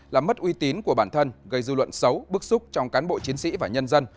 là mất uy tín của bản thân gây dư luận xấu bức xúc trong cán bộ chiến sĩ và nhân dân